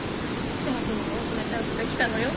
捨松にも大きなチャンスがきたのよ。